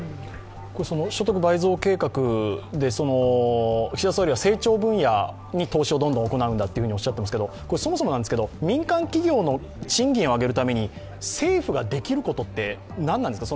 所得倍増計画で岸田総理は成長分野に投資をどんどん行うんだとおっしゃっていますが、そもそも民間企業の賃金を上げるために政府ができることって何なんですか？